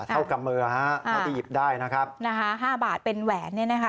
เท่ากับมือฮะเท่าที่หยิบได้นะครับนะคะห้าบาทเป็นแหวนเนี่ยนะคะ